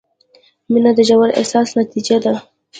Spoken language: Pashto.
• مینه د ژور احساس نتیجه ده.